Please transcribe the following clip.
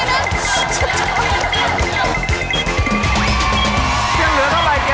แล้วเลือก